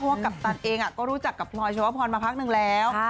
ว่ากัปตันเองก็รู้จักกับพลอยชวพรมาพักหนึ่งแล้ว